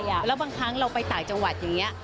แล้วบางครั้งเราไปต่างจังหวัดอย่างนี้